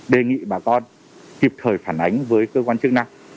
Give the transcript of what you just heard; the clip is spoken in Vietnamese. đề nghị bà con kịp thời phản ánh với cơ quan chức năng